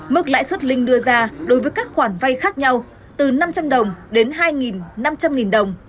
mức lãi suất linh đưa ra đối với các khoản vay khác nhau từ năm trăm linh đồng đến hai năm trăm linh đồng